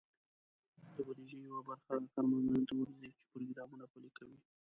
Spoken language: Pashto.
د بودیجې یوه برخه هغه کارمندانو ته ورځي، چې پروګرامونه پلي کوي.